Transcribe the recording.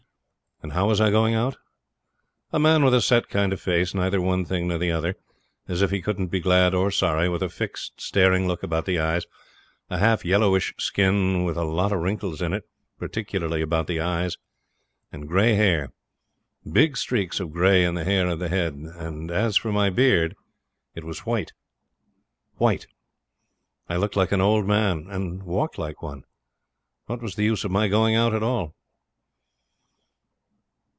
And how was I going out? A man with a set kind of face, neither one thing nor the other, as if he couldn't be glad or sorry, with a fixed staring look about the eyes, a half yellowish skin, with a lot of wrinkles in it, particularly about the eyes, and gray hair. Big streaks of gray in the hair of the head, and as for my beard it was white white. I looked like an old man, and walked like one. What was the use of my going out at all?